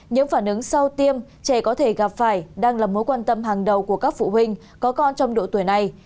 những phản ứng sau tiêm trẻ có thể gặp phải đang là mối quan tâm hàng đầu của các phụ huynh có con trong độ tuổi này